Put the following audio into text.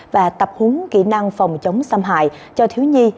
và tập huấn kỹ năng phòng chống xâm hại cho thiếu nhi